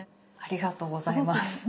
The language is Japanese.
ありがとうございます。